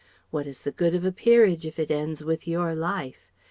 What is the good of a peerage if it ends with your life?